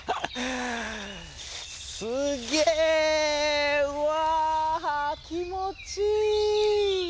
すげわ気持ちいい！